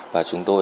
và chúng tôi